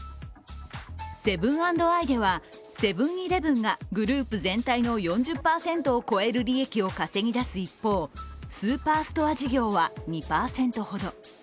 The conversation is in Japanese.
セブン＆アイではセブン−イレブンがグループ全体の４０％を超える利益を稼ぎ出す一方、スーパーストア事業は２％ほど。